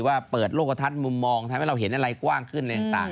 ว่าเปิดโลกกระทัดมุมมองทำให้เราเห็นอะไรกว้างขึ้นอะไรต่าง